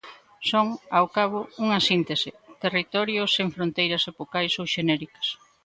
Son, ao cabo, unha síntese, territorio sen fronteiras epocais ou xenéricas.